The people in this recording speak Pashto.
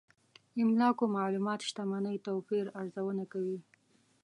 املاکو معلومات شتمنۍ توپير ارزونه کوي.